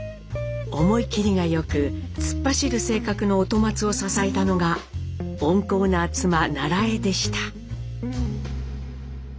思い切りがよく突っ走る性格の音松を支えたのが温厚な妻ナラエでした。